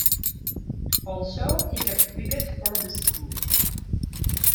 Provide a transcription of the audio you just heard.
Also he kept wicket for the school.